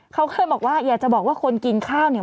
เขาเคยบอกว่าอยากจะบอกว่าคนกินข้าวเนี่ย